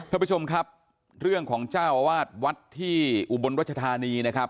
ท่านผู้ชมครับเรื่องของเจ้าอาวาสวัดที่อุบลรัชธานีนะครับ